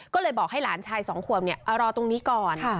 ก็เลยบอกให้หลานชาย๒ขวบรอตรงนี้ก่อน